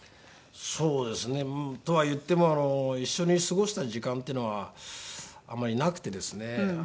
そうですね。とはいっても一緒に過ごした時間ってのはあんまりなくてですね。